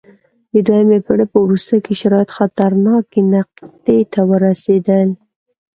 د دویمې پېړۍ په وروستیو کې شرایط خطرناکې نقطې ته ورسېدل